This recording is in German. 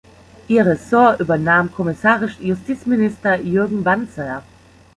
Ihr Ressort übernahm kommissarisch Justizminister Jürgen Banzer.